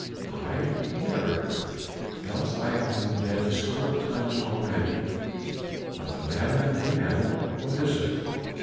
"I? Never! Else I had been dead a score of times already. But the matter in hand, what is it?